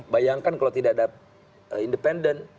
bayangkan kalau tidak ada independen